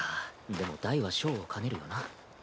でも大は小を兼ねるよな。